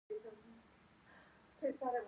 ياګاني مراعتول ښه دي